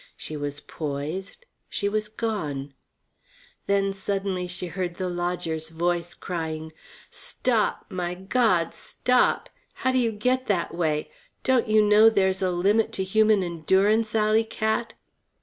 She was poised, she was gone. Then suddenly she heard the lodger's voice crying: "Stop my God, stop! How do you get that way? Don't you know there's a limit to human endurance, alley cat?"